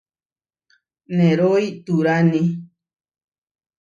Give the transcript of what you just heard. Nerói turáni.